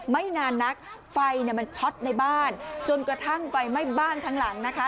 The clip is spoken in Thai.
ไม่นานนักไฟมันช็อตในบ้านจนกระทั่งไฟไหม้บ้านทั้งหลังนะคะ